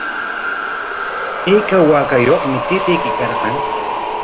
¿Ayka waakayuqmi taytayki karqan?